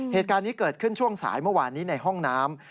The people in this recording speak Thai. เหตุการณ์นี้เกิดขึ้นช่วงสายเมื่อวานนี้ในห้องน้ำ